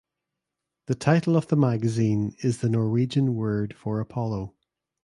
The title of the magazine is the Norwegian word for Apollo.